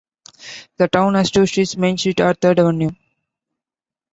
The town has two streets, Main Street and Third Avenue.